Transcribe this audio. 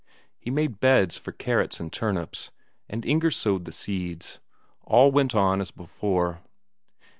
He made beds for carrots and turnips, and Inger sowed the seeds. All went on as before.